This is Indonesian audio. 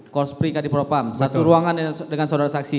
kors pri kadivro pampolri satu ruangan dengan saudara saksi